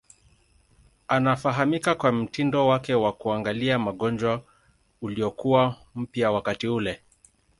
Anafahamika kwa mtindo wake wa kuangalia magonjwa uliokuwa mpya wakati ule.